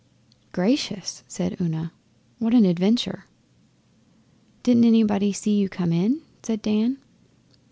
'Gracious!' said Una. 'What an adventure!' 'Didn't anybody see you come in?' said Dan.